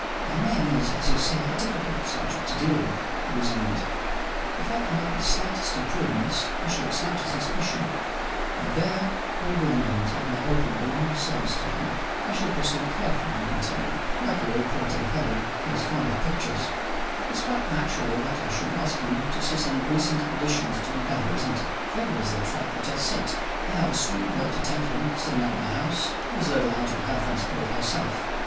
"Romayne is, as you say, a difficult subject to deal with," he resumed. "If I commit the slightest imprudence, I shall excite his suspicion and there will be an end of my hope of being of service to him. I shall proceed carefully, I can tell you. Luckily, poor dear fellow, he is fond of pictures! It's quite natural that I should ask him to see some recent additions to my gallery isn't it? There is the trap that I set! I have a sweet girl to tempt him, staying at my house, who is a little out of health and spirits herself.